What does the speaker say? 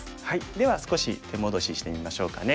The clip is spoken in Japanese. では少し手戻ししてみましょうかね。